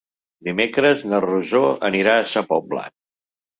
Dimecres na Rosó anirà a Sa Pobla.